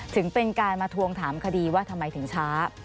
ถึงเป็นการมาทวงถามคดีว่าทำไมถึงช้า